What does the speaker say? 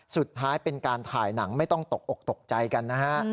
สุดท้ายเป็นการถ่ายหนังไม่ต้องตกอกตกใจกันนะฮะ